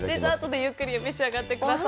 ゆっくり召し上がってください。